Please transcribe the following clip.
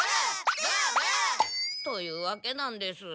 ブーブー！というわけなんです。